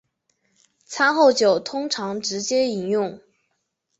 餐后酒通常直接饮用。